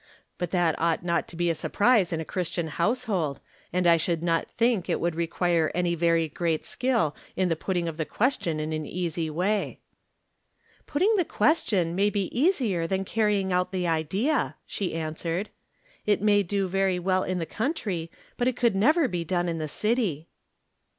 But that ought not to be a surprise in a Christian household, and I should not think it would require any very great skill in the putting of the question in an easy way." " Putting the question may be easier than carrying out the idea," she answered. " It may do very well in the coimtry, but it could never be done in the city."